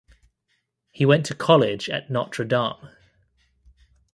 He went to college at Notre Dame.